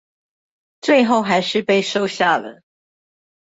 最後還是被收下了